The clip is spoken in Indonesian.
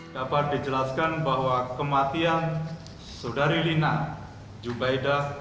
dapat dijelaskan bahwa kematian saudari lina jubaida